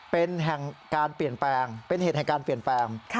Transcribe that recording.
เป็นเหตุแห่งการเปลี่ยนแปลง